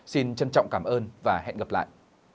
xin trọng cảm ơn và hẹn gặp lại